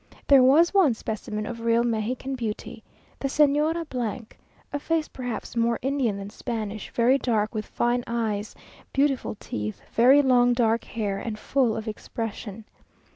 There was one specimen of real Mexican beauty; the Señora , a face perhaps more Indian than Spanish, very dark, with fine eyes, beautiful teeth, very long dark hair, and full of expression.